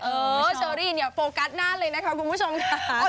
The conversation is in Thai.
เออโชรีเนี่ยโปรกัสนานเลยนะครับคุณผู้ชมค่ะ